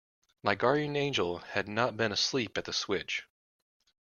My guardian angel had not been asleep at the switch.